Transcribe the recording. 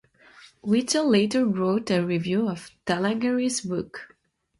Witzel later wrote a review of Talageri's book.